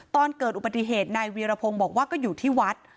ตอนเกิดอุบัติเหตุนายวีรพงศ์บอกว่าก็อยู่ที่วัด